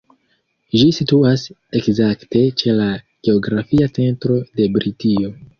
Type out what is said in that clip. Ĝi situas ekzakte ĉe la geografia centro de Britio.